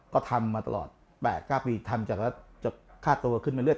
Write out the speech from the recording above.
ก็ทำมาตลอด๘๙ปีทำจากแล้วจะข้าดตัวขึ้นไปเรื่อย